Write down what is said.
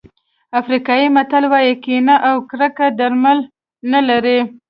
افریقایي متل وایي کینه او کرکه درمل نه لري.